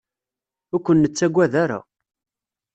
Ur ken-nettaggad ara.